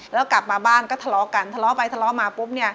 แล้วกลับมาบ้านก็ทะเลาะกันทะเลาะไปทะเลาะมาปุ๊บ